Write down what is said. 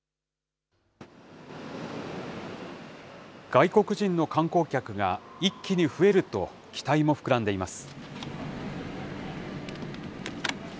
外国人の観光客が一気に増えると期待も膨らんでいます。